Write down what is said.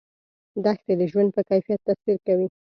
دښتې د ژوند په کیفیت تاثیر کوي.